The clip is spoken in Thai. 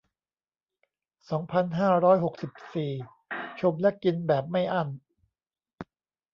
สองพันห้าร้อยหกสิบสี่ ชมและกินแบบไม่อั้น